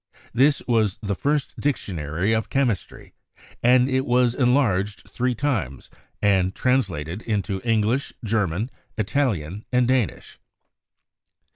This was the first dictionary of chemistry, and it was enlarged three times, and translated into English, German, Italian and Danish.